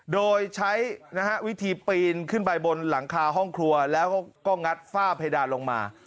โดยใช้วิธีปีนขึ้นไปบนหลังคาห้องครัวแล้วก็งัดฝ้าเพดานลงมา